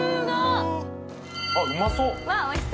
あっうまそ！